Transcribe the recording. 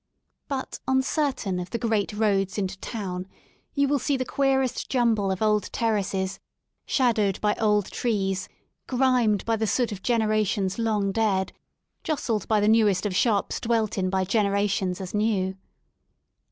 But on certain of the great roads into Town you will see the queerest jumble of old terraces, shadowed by old trees, grimed by the soot of generations long dead, jostled by the newest of shops dwelt in by generations as new.